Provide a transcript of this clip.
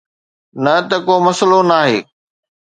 نه نه، ڪو مسئلو ناهي